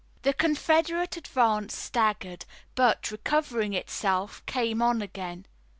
The Confederate advance staggered, but, recovering itself, came on again.